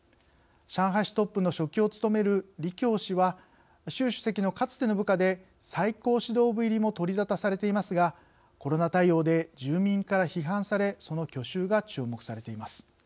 上海市トップの書記を務める李強氏は習主席のかつての部下で最高指導部入りも取りざたされていますがコロナ対応で住民から批判されその去就が注目されています。